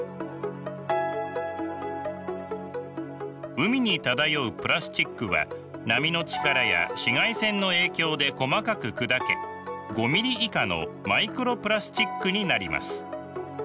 海に漂うプラスチックは波の力や紫外線の影響で細かく砕け５ｍｍ以下のマイクロプラスチックになります。